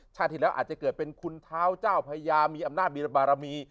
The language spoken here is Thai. ที่แล้วอาจจะเกิดเป็นคุณเท้าเจ้าพญามีอำนาจมีระบารมี